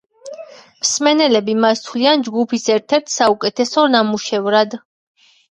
მსმენელები მას თვლიან ჯგუფის ერთ-ერთ საუკეთესო ნამუშევრად.